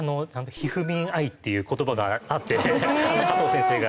「ひふみんアイ」っていう言葉があって加藤先生が。